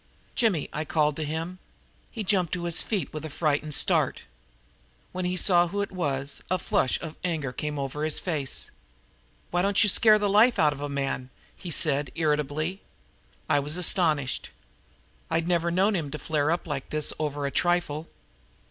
"Jimmy," I called to him. He jumped to his feet with a frightened start. When he saw who it was a flush of anger came over his face. "Why don't you scare the life out of a man!" he said irritably. I was astonished. I'd never known him to flare up like this over a trifle.